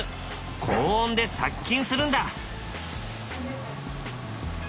高温で殺菌するんだ。